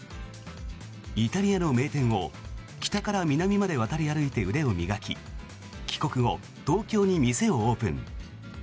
イタリアの名店を北から南まで渡り歩いて腕を磨き帰国後、東京に店をオープン。